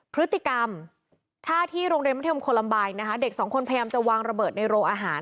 พฤติกรรมถ้าที่โรงเรียนมัธยมโคลัมใบนะคะเด็กสองคนพยายามจะวางระเบิดในโรงอาหาร